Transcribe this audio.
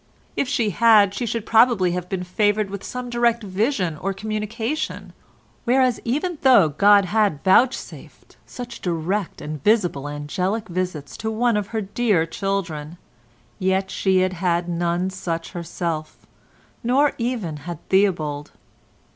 If she had, she should probably have been favoured with some direct vision or communication; whereas, though God had vouchsafed such direct and visible angelic visits to one of her dear children, yet she had had none such herself—nor even had Theobald.